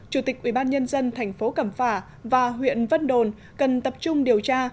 chủ tịch ubnd thành phố cẩm phả và huyện vân đồn cần tập trung điều tra